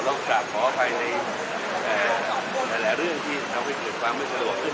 แล้วก็กลับขออภัยในหลายเรื่องที่ทำให้ถึงความไม่สะดวกขึ้น